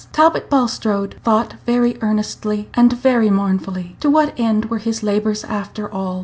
Talbot Bulstrode thought very earnestly and very mournfully. To what end were his labors, after all?